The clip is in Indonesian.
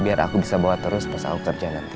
biar aku bisa bawa terus pas aku kerja nanti